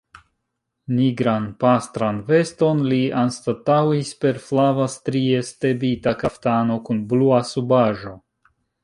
Nigran pastran veston li anstataŭis per flava strie stebita kaftano kun blua subaĵo.